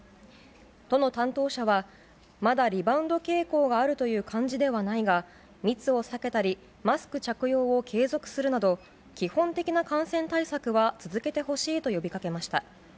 都の担当者はまだリバウンド傾向があるという感じではないが密を避けたりマスク着用を継続するなど基本的な感染対策は続けてほしいと呼びかけました。